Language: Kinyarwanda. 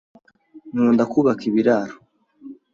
Nkunda kubaka ibiraro.